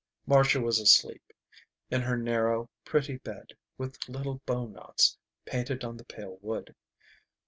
Marcia was asleep, in her narrow, pretty bed with little bowknots painted on the pale wood.